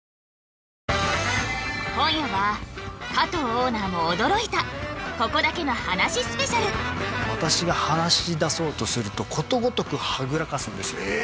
今夜は加藤オーナーも驚いたここだけの話スペシャル私が話しだそうとするとことごとくはぐらかすんですよ